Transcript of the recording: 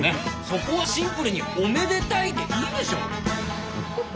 そこはシンプルに「おめでタイ」でいいでしょ！